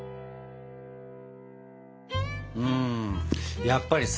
うんやっぱりさ